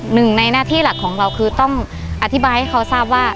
หนึ่งในหน้าที่หลักของเราคือต้องอธิบายให้เขาทราบว่า